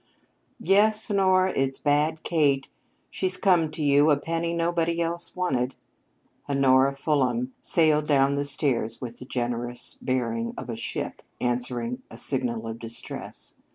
"Yes, Honora, it's bad Kate. She's come to you a penny nobody else wanted." Honora Fulham sailed down the stairs with the generous bearing of a ship answering a signal of distress.